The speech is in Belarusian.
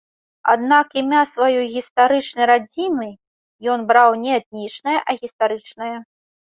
Аднак імя сваёй гістарычнай радзімы ён браў не этнічнае, а гістарычнае.